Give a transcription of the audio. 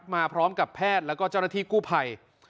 มาพร้อมกับแพทย์แล้วก็เจ้าหน้าที่กู้ภัย